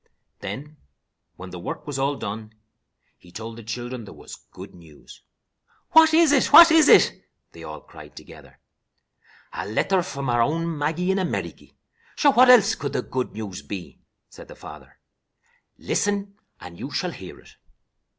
Then, when the work was all done, he told the children there was good news. "What is it, what is it?" they all cried together. "A letter from our own Maggie, in Ameriky. Sure, what else could the good news be?" said their father. "Listen, and you shall hear it.